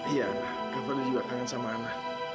iya ana kak fadil juga kangen sama ana